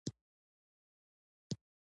تیمورشاه په تلوار کابل ته ستون شو.